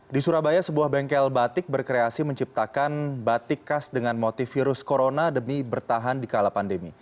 di surabaya sebuah bengkel batik berkreasi menciptakan batik khas dengan motif virus corona demi bertahan di kala pandemi